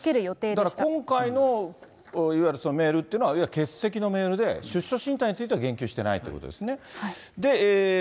だから今回のいわゆるそのメールというのは、欠席のメールで、出処進退については言及してないということですね。